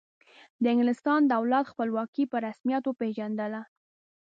د انګلستان دولت خپلواکي په رسمیت وپیژندله.